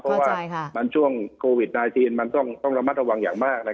เพราะว่าเวลาตอนโควิด๘๙ว่าต้องระมัดระวังอย่างมาก